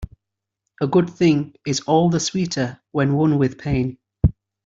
A good thing is all the sweeter when won with pain.